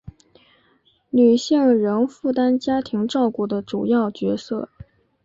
女性仍负担家庭照顾的主要角色